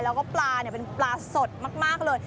แล้วก็ปลาเป็นปลาสดมากเลย